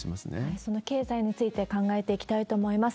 その経済について考えていきたいと思います。